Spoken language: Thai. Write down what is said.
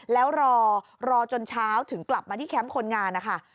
แล้วรอรอจนเช้าถึงกลับมาที่แคมป์คนงานนะคะ